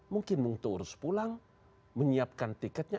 mungkin untuk harus pulang menyiapkan tiketnya